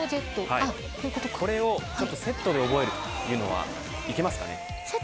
これをセットで覚えるというのはいけますかね。